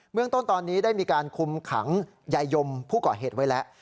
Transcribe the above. เมืองต้นตอนนี้ได้มีการคุมขังยายยมผู้ก่อเหตุไว้แล้ว